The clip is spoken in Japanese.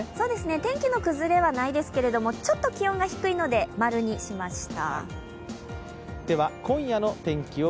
天気の崩れはないですけれどもちょっと気温が低いので○にしました。